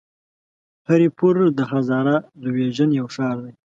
هري پور د هزاره ډويژن يو ښار دی.